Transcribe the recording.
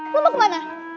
lo mau kemana